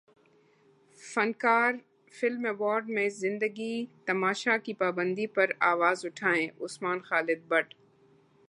فنکار film award میں زندگی تماشا کی پابندی پر اواز اٹھائیں عثمان خالد بٹ